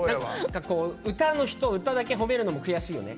歌の人を歌だけ褒めるのって悔しいよね。